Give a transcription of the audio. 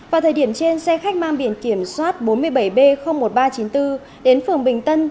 vào thời điểm trên xe khách mang biển kiểm soát bốn mươi bảy b một nghìn ba trăm chín mươi bốn đến phường bình tân